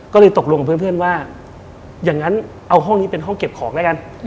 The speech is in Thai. ก็เลยตกลงกับเพื่อนว่าอย่างนั้นเอาห้องนี้เป็นห้องเก็บของแล้วกัน